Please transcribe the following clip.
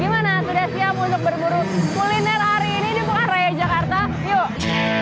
gimana sudah siap untuk berburu kuliner hari ini di pekan raya jakarta yuk